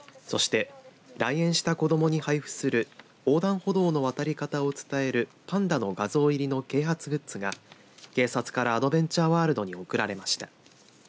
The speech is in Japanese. そして来園した子どもに配布する横断歩道の渡り方を伝えるパンダの画像入りの啓発グッズが警察からベンチャーワールドに贈られました。